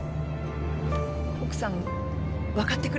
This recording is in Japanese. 奥さん分かってくれますよ